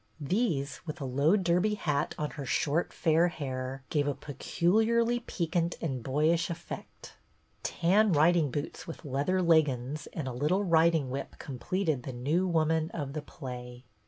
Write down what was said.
These, with a low derby hat on her short fair hair, gave a peculiarly piquant and boyish effect. Tan riding boots with leather leggins and a little riding whip completed The New Woman of the play.